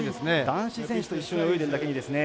男子選手と一緒に泳いでるだけにですね